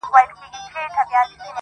ما و پېژندی دوي ته مي وویل